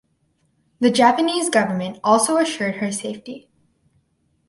The Japanese government also assured her safety.